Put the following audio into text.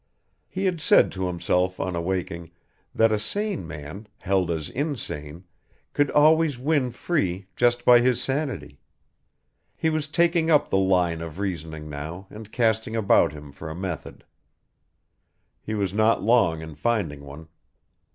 He had said to himself on awaking, that a sane man, held as insane, could always win free just by his sanity. He was taking up the line of reasoning now and casting about him for a method. He was not long in finding one.